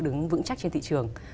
nó đứng vững chắc trên thị trường